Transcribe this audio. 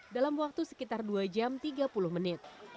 dalam waktu sekitar dua jam tiga puluh menit